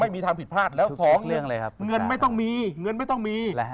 ไม่มีทางผิดพลาดแล้วสองเงินไม่ต้องมี